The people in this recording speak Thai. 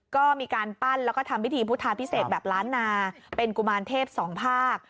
ก็มีการปั้นแล้วก็ทำพิธีพุทธาพิเศษแบบล้านนาเป็นกุมารเทพสองภาค